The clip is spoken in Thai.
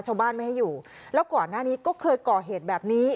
ชาวบ้านไม่ให้อยู่แล้วก่อนหน้านี้ก็เคยก่อเหตุแบบนี้